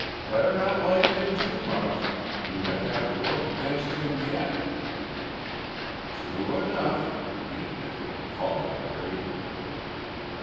"Better not like him too much. You may have to work against him yet." "True enough," he admitted, falling grave again.